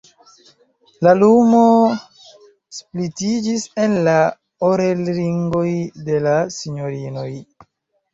La lumo splitiĝis en la orelringoj de la sinjorinoj.